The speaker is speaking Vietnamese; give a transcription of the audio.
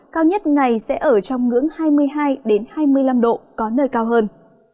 cao nhất ngày sẽ ở trong ngưỡng hai mươi hai hai mươi năm độ có nơi cao hơn